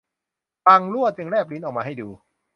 บ่างลั่วจึงแลบลิ้นออกมาให้ดู